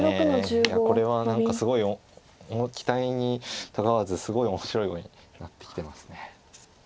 いやこれは何かすごい期待にたがわずすごい面白い碁になってきてます。